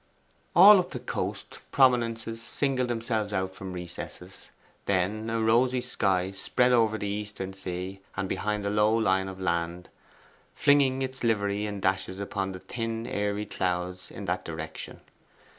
All up the coast, prominences singled themselves out from recesses. Then a rosy sky spread over the eastern sea and behind the low line of land, flinging its livery in dashes upon the thin airy clouds in that direction.